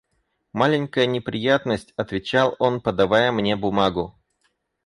«Маленькая неприятность, – отвечал он, подавая мне бумагу.